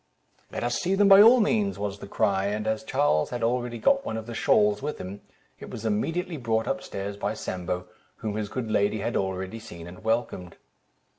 "Let us see them, by all means," was the cry; and as Charles had really got one of the shawls with him, it was immediately brought up stairs by Sambo, whom his good lady had already seen and welcomed.